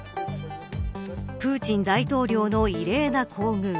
プーチン大統領の異例な厚遇。